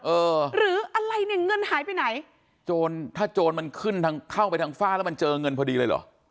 เออหรืออะไรเนี่ยเงินหายไปไหนโจรถ้าโจรมันขึ้นทางเข้าไปทางฝ้าแล้วมันเจอเงินพอดีเลยเหรอ